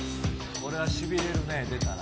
これはしびれるね、出たら。